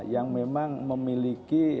yang memang memiliki